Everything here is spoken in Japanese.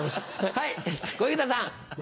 はい小遊三さん。